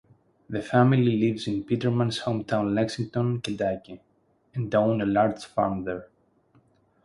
The family lives in Peterman's hometown Lexington, Kentucky; and own a large farm there.